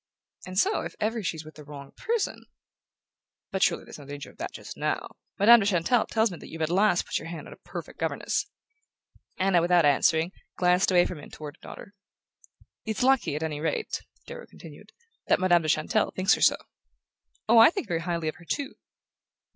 And so, if ever she's with the wrong person " "But surely there's no danger of that just now? Madame de Chantelle tells me that you've at last put your hand on a perfect governess " Anna, without answering, glanced away from him toward her daughter. "It's lucky, at any rate," Darrow continued, "that Madame de Chantelle thinks her so." "Oh, I think very highly of her too."